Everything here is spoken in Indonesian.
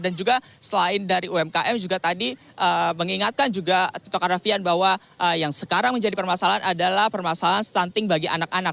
dan juga selain dari umkm juga tadi mengingatkan juga tito karnavian bahwa yang sekarang menjadi permasalahan adalah permasalahan stunting bagi anak anak